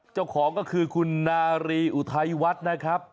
เจ้าของก็คือคุณนารีอุทัยวัฒน์นะครับ